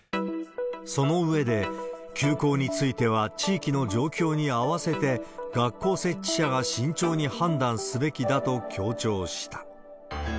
その上で、休校については地域の状況に合わせて、学校設置者が慎重に判断すべきだと強調した。